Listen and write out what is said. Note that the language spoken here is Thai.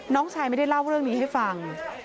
น้องชายไม่ได้เล่าเรื่องนี้ให้ฟัง